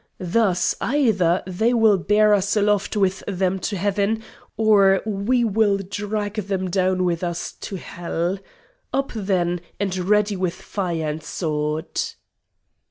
Thus, either they will bear us aloft with them to Heaven or we will drag them down with us to Hell. Up, then, and ready with fire and sword!"